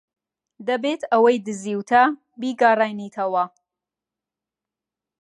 دەبێت ئەوەی دزیوتە بیگەڕێنیتەوە.